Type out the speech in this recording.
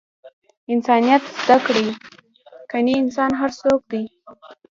انسانیت زده کړئ! کنې انسان هر څوک دئ!